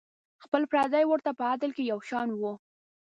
خپل پردي ورته په عدل کې یو شان وو.